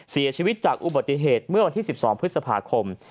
เสียชีวิตจากอุบัติเหตุเมื่อวันที่๑๒พฤษภาคม